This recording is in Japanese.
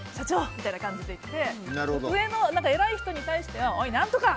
みたいな感じでいって上の偉い人に対してはおい、何とか！